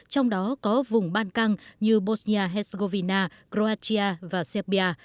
trong đó có vùng ban căng như bosnia herzegovina croatia và serbia